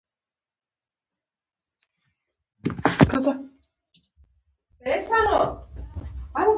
آیا دوی نویو خلکو ته لارښوونه نه کوي؟